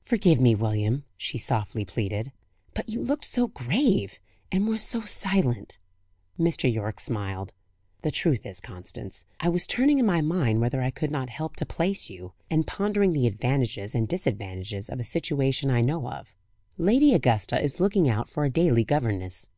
"Forgive me, William," she softly pleaded. "But you looked so grave and were so silent." Mr. Yorke smiled. "The truth is, Constance, I was turning in my mind whether I could not help to place you, and pondering the advantages and disadvantages of a situation I know of. Lady Augusta is looking out for a daily governess."